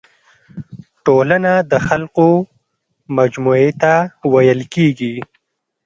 ټولنه د خلکو مجموعي ته ويل کيږي.